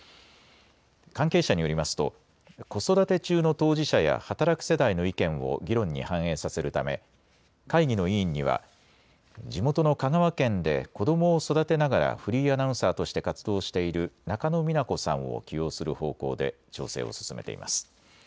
関係者によりますと子育て中の当事者や働く世代の意見を議論に反映させるため会議の委員には地元の香川県で子どもを育てながらフリーアナウンサーとして活動している中野美奈子さんを起用する方向で調整を進めています。